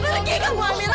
pergi kamu amira